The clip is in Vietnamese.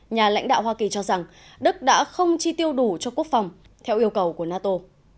nhà lãnh đạo hoa kỳ cho rằng đức đã không chi tiêu đủ cho quốc phòng theo yêu cầu của nato